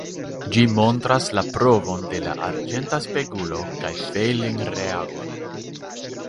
Ĝi montras la provon de la arĝenta spegulo kaj Fehling-reagon.